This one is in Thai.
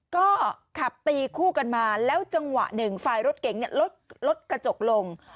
ก็ขับตีคู่กันมาแล้วจังหวะหนึ่งฝ่ายรถเก๋งลดกระจกลง